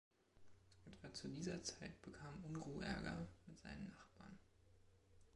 Etwa zu dieser Zeit bekam Unruh Ärger mit seinen Nachbarn.